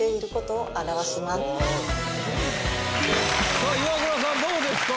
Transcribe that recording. さあイワクラさんどうですか？